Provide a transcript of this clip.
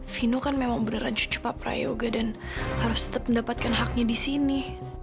vino kan memang beneran cucu pak prayoga dan harus tetap mendapatkan haknya di sini